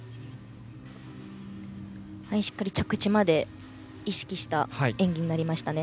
しっかり着地まで意識した演技になりましたね。